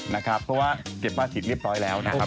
นะครับเพราะว่าเก็บบ้าจิตเรียบต้อยแล้วนะครับ